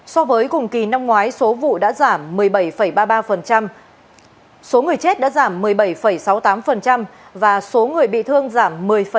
so với cùng kỳ năm ngoái số vụ đã giảm một mươi bảy ba mươi ba số người chết đã giảm một mươi bảy sáu mươi tám và số người bị thương giảm một mươi một